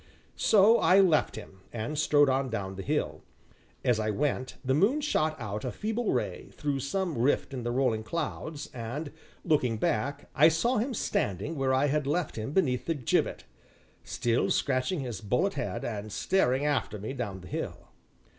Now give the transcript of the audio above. So I left him, and strode on down the hill. As I went, the moon shot out a feeble ray, through some rift in the rolling clouds, and, looking back, I saw him standing where I had left him beneath the gibbet, still scratching his bullethead, and staring after me down the hill.